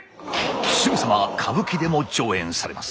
すぐさま歌舞伎でも上演されます。